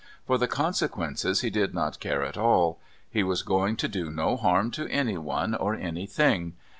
For the consequences he did not care at all. He was going to do no harm to anyone or anything.